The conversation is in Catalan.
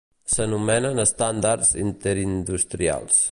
S'anomenen estàndards interindustrials.